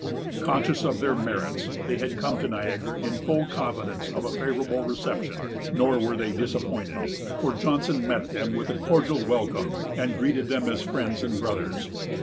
Conscious of their merits, they had come to Niagara in full confidence of a favorable reception. Nor were they disappointed; for Johnson met them with a cordial welcome, and greeted them as friends and brothers.